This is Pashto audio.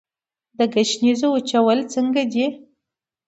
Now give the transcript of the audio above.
د ګشنیزو وچول څنګه دي؟